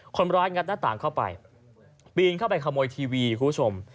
งัดหน้าต่างเข้าไปปีนเข้าไปขโมยทีวีคุณผู้ชม